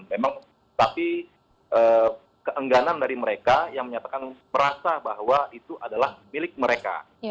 memang tapi keengganan dari mereka yang menyatakan merasa bahwa itu adalah milik mereka